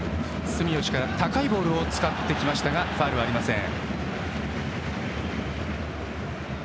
住吉が高いボールを使ってきましたがファウルはありません。